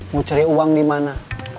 mau cari uang di mana